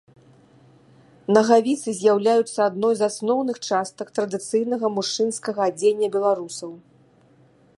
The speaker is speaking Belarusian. Нагавіцы з'яўляюцца адной з асноўных частак традыцыйнага мужчынскага адзення беларусаў.